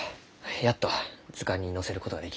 やっと図鑑に載せることができる。